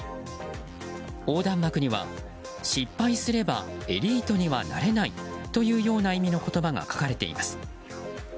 横断幕には、失敗すればエリートにはなれないというような意味の言葉が書かれています。